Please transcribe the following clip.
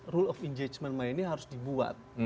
rule of engagement ini harus dibuat